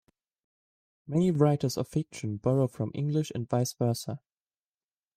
Many writers of fiction borrow from English and vice versa.